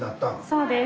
そうです。